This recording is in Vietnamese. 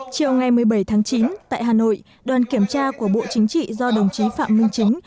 chiều ngày một mươi bảy tháng chín tại hà nội đoàn kiểm tra của bộ chính trị do đồng chí phạm minh chính